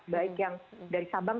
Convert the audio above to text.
baik yang dari sabang